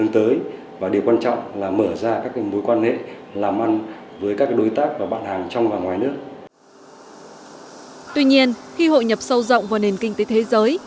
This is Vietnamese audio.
tuy nhiên khi hội nhập sâu rộng vào nền kinh tế thế giới